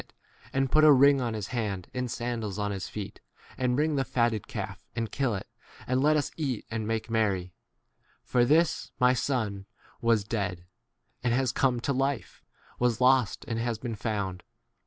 [it], and put a ring on his hand 23 and sandals on his feet; and bring the fatted calf and kill it, and let 24 us eat and make merry : for this my son was dead and has come to lif e,P was lost and has been found.